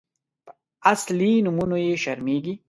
_په اصلي نومونو يې شرمېږي.